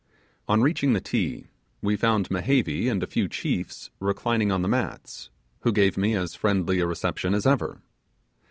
On reaching the Ti, we found Mehevi and a few chiefs reclining on the mats, who gave me as friendly a reception as ever.